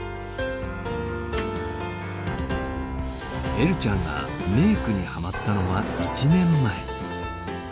えるちゃんがメークにハマったのは１年前。